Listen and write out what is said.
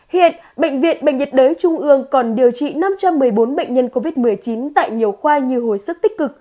hiện bệnh viện bệnh nhiệt đới trung ương còn điều trị năm trăm một mươi bốn bệnh nhân covid một mươi chín tại nhiều khoa như hồi sức tích cực